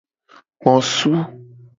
Ekposu.